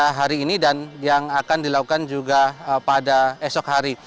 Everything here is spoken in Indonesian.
pada hari ini dan yang akan dilakukan juga pada esok hari